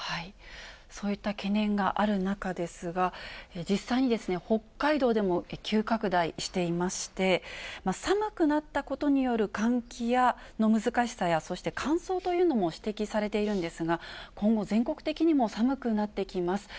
そういった懸念がある中ですが、実際に北海道でも急拡大していまして、寒くなったことによる換気の難しさや、そして乾燥というのも指摘されているんですが、今後、全国的にも寒くなってきます。